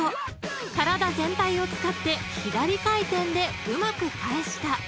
［体全体を使って左回転でうまく返した］